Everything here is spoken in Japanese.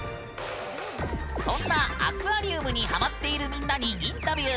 そんなアクアリウムにハマっているみんなにインタビュー！